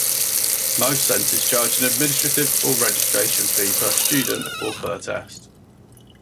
Most centers charge an administrative or registration fee per student or per test.